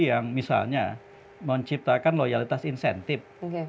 yang misalnya menciptakan loyalitas insentif